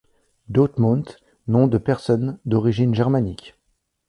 Deotmunt, nom de personne d’origine germanique.